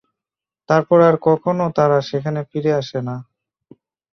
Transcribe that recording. তারপর আর কখনো তারা সেখানে ফিরে আসে না।